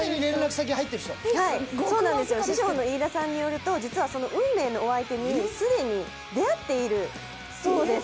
師匠の飯田さんによると、運命のお相手に既に出会っているそうです。